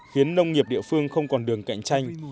khiến nông nghiệp địa phương không còn đường cạnh tranh